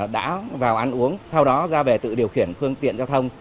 đã vào ăn uống sau đó ra về tự điều khiển phương tiện giao thông